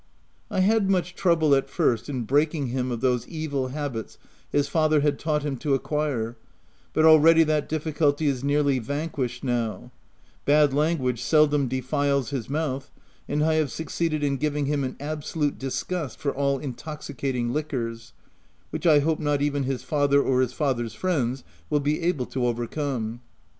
I had much trouble at first in breaking him of those evil habits his father had taught him to acquire, but already that difficulty is nearly vanquished now : bad language seldom defiles his mouth, and I have succeeded in giving him an absolute disgust for all intoxicating liquors, which I hope not even his father or his father's friends will be able to overcome.